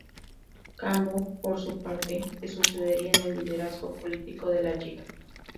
Cambó, por su parte, le sucedería en el liderazgo político de la Lliga.